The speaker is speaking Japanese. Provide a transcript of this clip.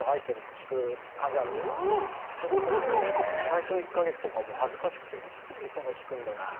最初の１カ月とか恥ずかしくて何でそんな聞くんだろう？